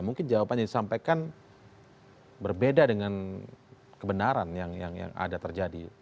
mungkin jawabannya disampaikan berbeda dengan kebenaran yang ada terjadi